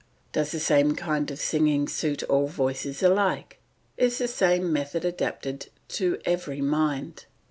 Does the same kind of singing suit all voices alike? Is the same method adapted to every mind?